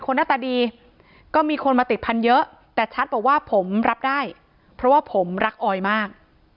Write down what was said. หน้าตาดีก็มีคนมาติดพันธุ์เยอะแต่ชัดบอกว่าผมรับได้เพราะว่าผมรักออยมาก